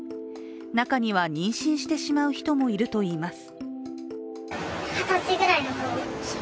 中には妊娠してしまう人もいるといいます。